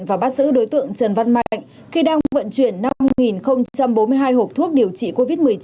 và bắt giữ đối tượng trần văn mạnh khi đang vận chuyển năm bốn mươi hai hộp thuốc điều trị covid một mươi chín